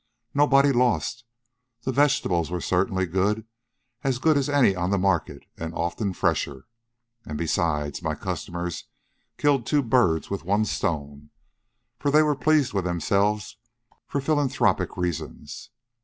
Nobody lost. The vegetables were certainly good, as good as any on the market and often fresher. And, besides, my customers killed two birds with one stone; for they were pleased with themselves for philanthropic reasons.